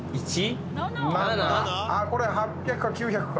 これ８００か９００か。